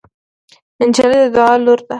نجلۍ د دعا لور ده.